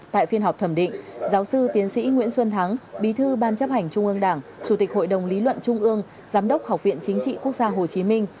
tại phiên họp thẩm định giáo sư tiến sĩ nguyễn xuân thắng bí thư ban chấp hành trung ương đảng chủ tịch hội đồng lý luận trung ương giám đốc học viện chính trị quốc gia hồ chí minh